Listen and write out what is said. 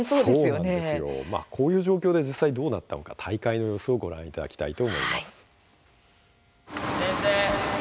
こういう状況で実際どうなったのか大会の様子をご覧いただこうと思います。